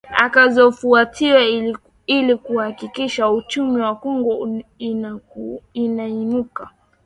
akazofuatiwa ilikuhakikisha uchumi wa congo unainuka